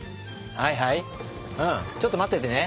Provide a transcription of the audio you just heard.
はいはいちょっと待っててね。